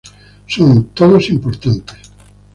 Son todos importantes.